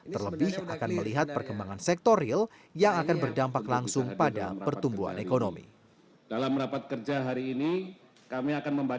terlebih akan melihat perkembangan sektor real yang akan berdampak langsung pada pertumbuhan ekonomi